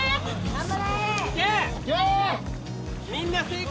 頑張れ！